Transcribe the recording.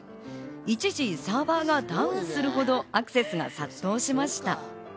一時サーバーがダウンするほどアクセスが殺到しました。